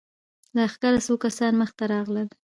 له لښکره څو کسان مخې ته راغلل.